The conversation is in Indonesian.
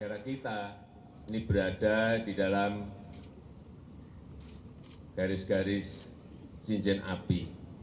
karena kita ini berada di dalam garis garis cincin api